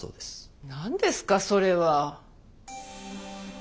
何ですかそれは。